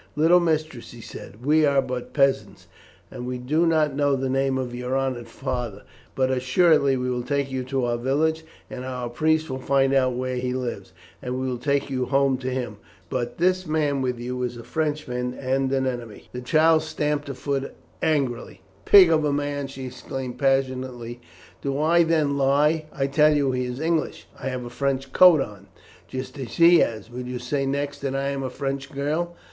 "Little mistress," he said, "we are but peasants, and do not know the name of your honoured father; but assuredly we will take you to our village, and our priest will find out where he lives, and will take you home to him; but this man with you is a Frenchman, and an enemy." The child stamped her foot angrily. "Pig of a man!" she exclaimed passionately, "Do I, then, lie? I tell you he is English. I have a French coat on, just as he has. Will you say next that I am a French girl?